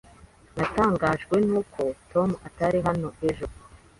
Natangajwe nuko Tom atari hano ejo.